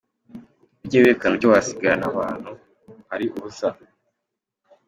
Ugiye wirukana utyo, wasigarana ahantu hari ubusa.